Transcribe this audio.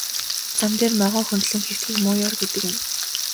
Зам дээр могой хөндлөн хэвтэхийг муу ёр гэдэг юм.